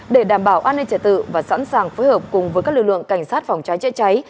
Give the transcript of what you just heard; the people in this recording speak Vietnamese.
để đảm bảo an ninh trật tự và sẵn sàng phối hợp cùng với các lực lượng cảnh sát phòng cháy chữa cháy